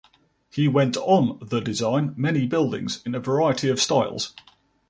He went on the design many buildings in a variety of styles.